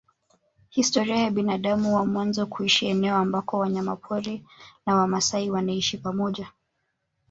Historia ya binadamu wa mwanzo kuishi eneo ambako wanyamapori na wamaasai wanaishi pamoja